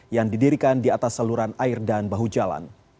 yang didirikan di atas saluran air dan bahu jalan